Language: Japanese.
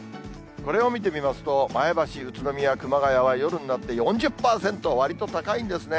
これを見てみますと、前橋、宇都宮、熊谷は夜になって４０％、割と高いんですね。